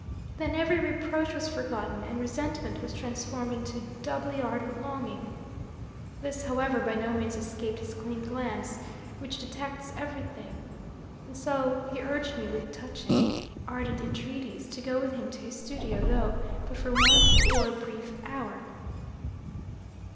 Then every reproach was forgotten, and resentment was transformed into doubly ardent longing. This, however, by no means escaped his keen glance, which detects everything, and so he urged me with touching, ardent entreaties to go with him to his studio, though but for one poor, brief hour."